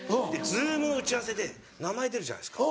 Ｚｏｏｍの打ち合わせで名前出るじゃないですか。